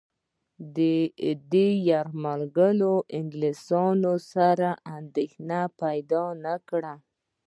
دې یرغلونو له انګلیسيانو سره اندېښنه پیدا نه کړه.